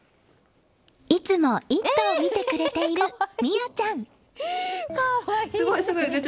いつも「イット！」を見てくれている心彩ちゃん。